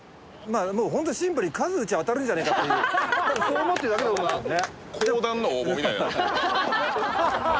もうホントにシンプルに数打ちゃ当たるんじゃねえかってそう思ってるだけだろうなってね